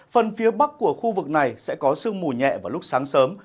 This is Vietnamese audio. phần phía bắc của khu vực này sẽ có sương mù nhẹ vào lúc sáng sớm